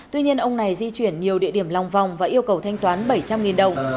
tuy nhiên ông này di chuyển nhiều địa điểm lòng vòng và yêu cầu thanh toán bảy trăm linh đồng